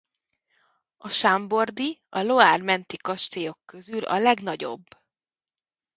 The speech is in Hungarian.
A chambord-i a Loire menti kastélyok közül a legnagyobb.